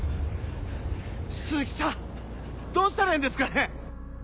鈴木さんどうしたらいいんですかね？